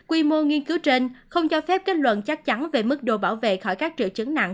quy mô nghiên cứu trên không cho phép kết luận chắc chắn về mức độ bảo vệ khỏi các triệu chứng nặng